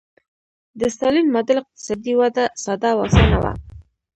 د ستالین ماډل اقتصادي وده ساده او اسانه وه